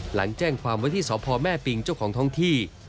หลังแจ้งความว่าที่สพแม่ปิงเจ้าของท้องที่